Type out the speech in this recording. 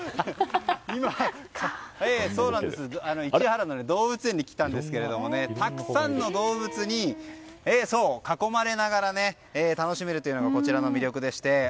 市原の動物園に来たんですけれどもたくさんの動物に囲まれながら楽しめるというのがこちらの魅力でして。